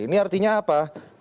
ini artinya apa